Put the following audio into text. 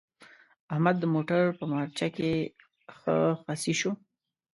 احمد د موټر په مارچه کې ښه خصي شو.